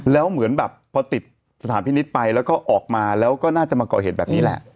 แล้วเหมือนแบบพอติดสถานพินิษฐ์ไปแล้วก็ออกมาแล้วก็น่าจะมาก่อเหตุแบบนี้แหละ